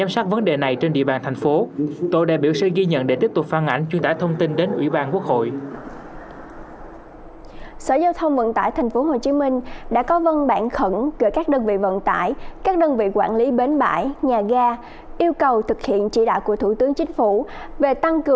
seaplm là chương trình đánh giá cấp khu vực do asean khởi xướng năm hai nghìn một mươi một